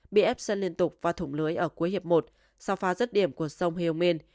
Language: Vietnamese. bị ép sân liên tục và thủng lưới ở cuối hiệp một sau phá rớt điểm của sông hieu minh